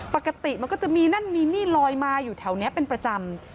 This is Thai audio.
ปกติมันก็จะมีนั่นมีนี่ลอยมาอยู่แถวนี้เป็นประจำ